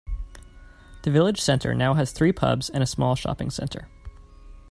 The village centre now has three pubs and a small shopping centre.